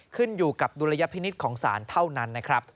ขึ้นอยู่กับดุลยพินิษฐ์ของศาลเท่านั้นนะครับ